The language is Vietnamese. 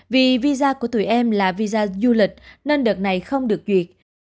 vì visa của tụi em là visa du lịch nên đợt này không được duyệt